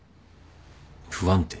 不安定？